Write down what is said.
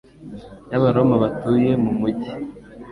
y'Abaroma batuye mu mujyi